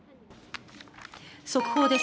速報です。